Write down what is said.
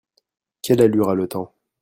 Quelle allure a le temps ?